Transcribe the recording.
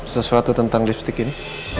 sesuatu tentang lipstick ini